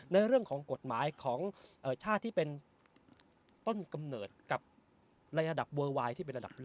ในเรื่องของกฎหมายของชาติที่เป็นต้นกำเนิดกับในระดับเวอร์ไวน์ที่เป็นระดับ